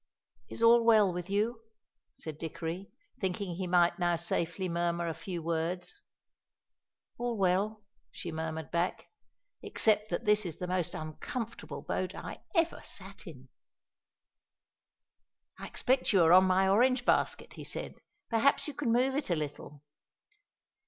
"Is all well with you?" said Dickory, thinking he might now safely murmur a few words. "All well," she murmured back, "except that this is the most uncomfortable boat I ever sat in!" "I expect you are on my orange basket," he said; "perhaps you can move it a little."